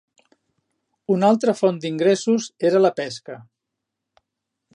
Una altra font d'ingressos era la pesca.